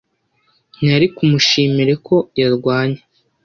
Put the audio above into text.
Ntiyari kumushimire ko yarwanye